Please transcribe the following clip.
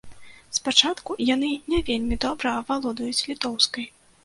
Спачатку яны не вельмі добра валодаюць літоўскай.